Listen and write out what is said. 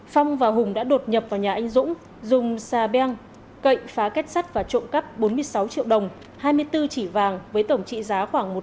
phong và hùng đã đột nhập vào nhà anh dũng dùng xa beng cậy phá kết sắt và trộm cắp bốn mươi sáu triệu đồng hai mươi bốn chỉ vàng với tổng trị giá